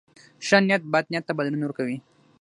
ښه نیت بد نیت ته بدلون ورکوي.